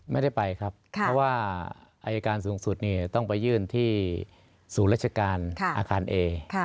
ไม่ได้ไปครับเพราะว่าอายการสูงสุดต้องไปยื่นที่ศูนย์ราชการอาคารเอ